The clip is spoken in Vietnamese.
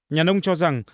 nhà nông cho rằng